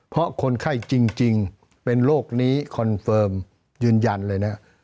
เพราะคนไข้จริงเป็นโรคนี้คอนเฟิร์มยืนยันเลยนะ